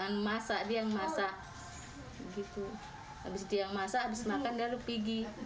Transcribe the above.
abis dia masak abis makan dia pergi